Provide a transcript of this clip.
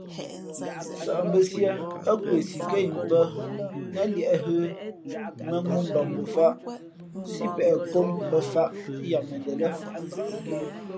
Sαʼmbᾱsiē ά kwesi kά imbᾱ nά liēʼ hə̌, mᾱŋū mbakngofāt sípeʼ kom pαfāʼ yamende lά.